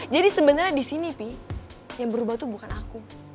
jadi sebenarnya di sini pi yang berubah tuh bukan aku